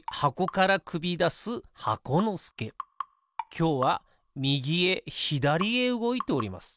きょうはみぎへひだりへうごいております。